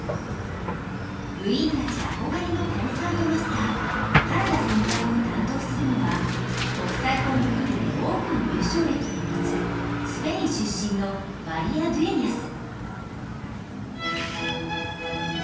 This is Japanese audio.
部員たち憧れのコンサートマスター原田先輩を担当するのは国際コンクールで多くの優勝歴を持つスペイン出身のマリア・ドゥエニャス。